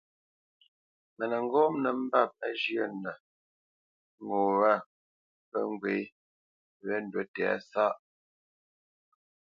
Mə nə́ ŋgɔ́ nə́ mbâp ŋgâʼ mə́ njyə́ ŋo wâ pə́ ŋgwê wé ndǔ tɛ̌sáʼ.